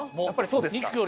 やっぱりそうですか？